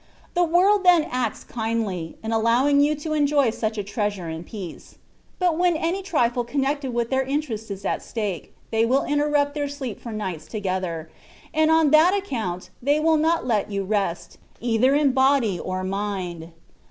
The world then acts kindly, in allowing you to enjoy such a treasure in peace. But when any trifle connected with their interest is at stake, they will interrupt their sleep for nights together, and on that account they will not let you rest, either in body or mind.